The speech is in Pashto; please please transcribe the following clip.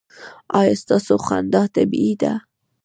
ایا ستاسو خندا طبیعي ده؟